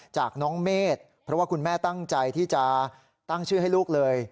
จากน้องเมฆเพราะว่าคุณแม่ตั้งใจที่จะตั้งชื่อให้ลูกเลย